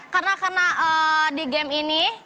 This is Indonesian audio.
karena di game ini